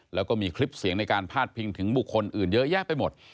แล้วก็มีคลิปเสียงในการพาดพิงถึงบุคคลอื่นเยอะแยะไปหมด